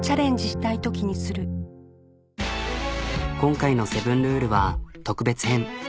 今回の「セブンルール」は特別編。